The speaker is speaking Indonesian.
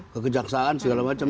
kekejaksaan segala macam